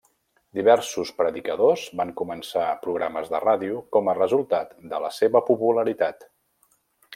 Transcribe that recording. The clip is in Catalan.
Diversos predicadors van començar programes de ràdio com a resultat de la seva popularitat.